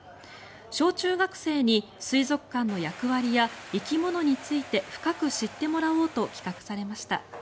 小中学生に水族館の役割や生き物について深く知ってもらおうと企画されました。